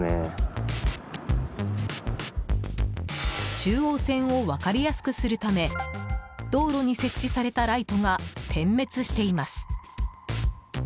中央線を分かりやすくするため道路に設置されたライトが点滅しています。